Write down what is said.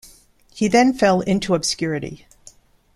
He then fell into obscurity.